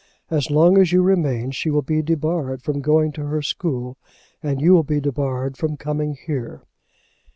As long as you remain she will be debarred from going to her school, and you will be debarred from coming here."